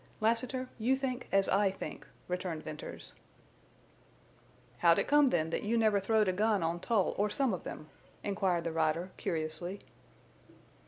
"Lassiter, you think as I think," returned Venters. "How'd it come then that you never throwed a gun on Tull or some of them?" inquired the rider, curiously.